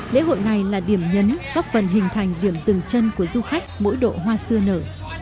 lễ hội này là điểm nhấn góp phần hình thành điểm rừng chân của du khách mỗi độ hoa xưa nở